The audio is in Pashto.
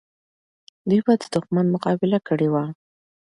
دوی به د دښمن مقابله کړې وه.